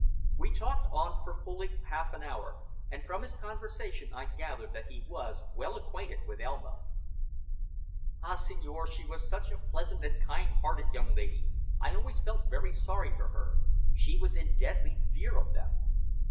We talked on for fully half an hour, and from his conversation I gathered that he was well acquainted with Elma. "Ah, signore, she was such a pleasant and kind hearted young lady. I always felt very sorry for her. She was in deadly fear of them."